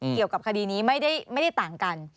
เกี่ยวกับคดีนี้ไม่ได้ต่างกัน